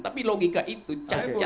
tapi logika itu cacat